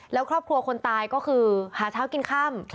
แล้วครอบครัวคนตายก็คือหาเช้ากินค่ำ